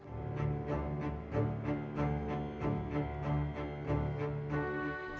ini adalah uang yang terbaik